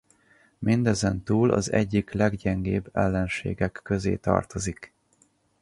Mindezen túl az egyik leggyengébb ellenségek közé tartozik.